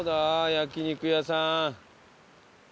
焼肉屋さん。